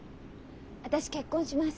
「私結婚します。